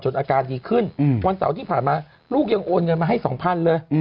อาการดีขึ้นวันเสาร์ที่ผ่านมาลูกยังโอนเงินมาให้๒๐๐๐เลย